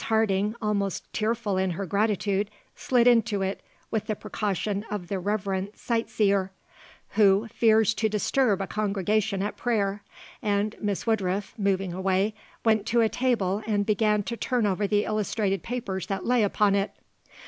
Harding, almost tearful in her gratitude, slid into it with the precaution of the reverent sight seer who fears to disturb a congregation at prayer, and Miss Woodruff, moving away, went to a table and began to turn over the illustrated papers that lay upon it.